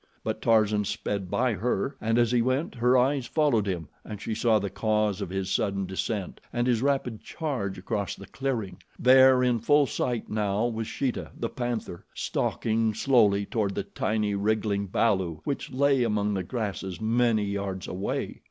But Tarzan sped by her, and as he went, her eyes followed him and she saw the cause of his sudden descent and his rapid charge across the clearing. There in full sight now was Sheeta, the panther, stalking slowly toward the tiny, wriggling balu which lay among the grasses many yards away.